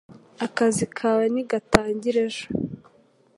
Akazi kawe ntikatangira ejo?